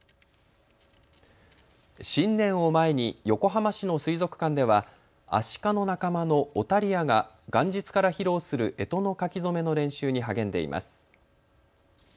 新年を前に横浜市の水族館ではアシカの仲間のオタリアが元日から披露するえとの書き初めの練習に励んでいます。